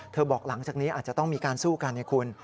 บอกหลังจากนี้อาจจะต้องมีการสู้กันให้คุณ